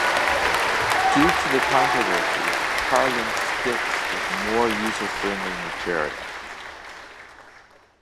Due to the controversy, Carlin sticks with more user-friendly material.